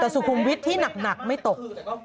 แต่สุขุมวิทย์ที่หนักไม่ตก